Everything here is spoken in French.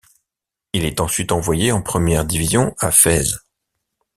Il est ensuite envoyé en première division à Fès.